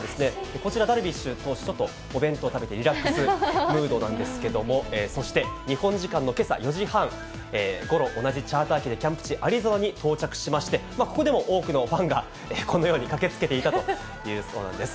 こちらダルビッシュ投手、ちょっとお弁当食べて、リラックスムードなんですけど、そして日本時間のけさ４時半ごろ、同じチャーター機でキャンプ地、アリゾナに到着しまして、ここでも多くのファンが、このように駆けつけていたというそうなんです。